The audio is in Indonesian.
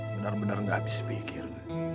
benar benar gak habis pikir